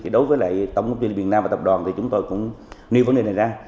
đối với tổng công ty liên hiệp nam và tập đoàn thì chúng tôi cũng nêu vấn đề này ra